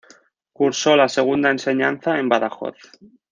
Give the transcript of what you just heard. Cursó la segunda enseñanza en Badajoz.